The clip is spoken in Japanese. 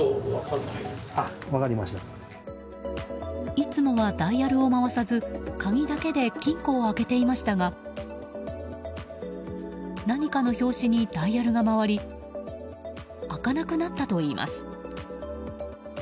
いつもはダイヤルを回さず鍵だけで金庫を開けていましたが何かの拍子にダイヤルが回り開かなくなったといいます。